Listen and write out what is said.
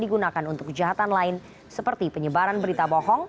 digunakan untuk kejahatan lain seperti penyebaran berita bohong